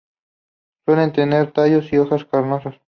Suelen tener tallos y hojas carnosos.